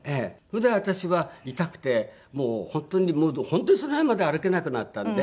それで私は痛くてもう本当に本当にその辺まで歩けなくなったんで。